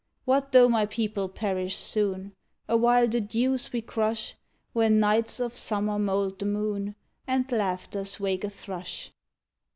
What tho my people perish soon*? Awhile the dews we crush Where nights of summer mould the moon And laughters wake the thrush.